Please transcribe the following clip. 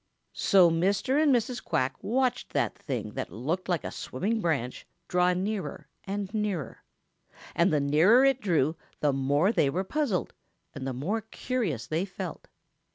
So Mr. and Mrs. Quack watched that thing that looked like a swimming branch draw nearer and nearer, and the nearer it drew the more they were puzzled, and the more curious they felt.